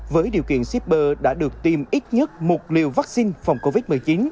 với điều kiện shipper đã được tiêm ít nhất một liều vaccine phòng covid một mươi chín